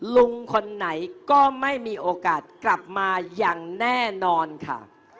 ลุงคนไหนก็ไม่มีโอกาสกลับมาอย่างแน่นอนค่ะ